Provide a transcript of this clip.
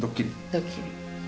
ドッキリ。